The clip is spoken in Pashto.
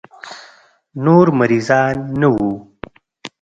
نور مريضان نه وو.